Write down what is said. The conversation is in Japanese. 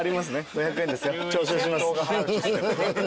５００円ですよ。